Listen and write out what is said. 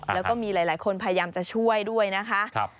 แล้วก็มีหลายคนพยายามจะช่วยด้วยนะคะ